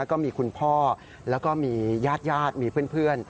ก็มีคุณพ่อแล้วก็มีญาติมีเพื่อน